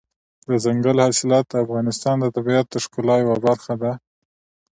دځنګل حاصلات د افغانستان د طبیعت د ښکلا یوه برخه ده.